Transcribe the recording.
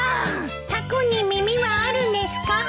たこに耳はあるですか？